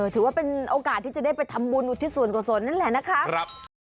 ถือว่าเป็นโอกาสที่จะได้มีทำบุญอุทิศวรรดิ์กว่าโสดนั้นแหละนะครับ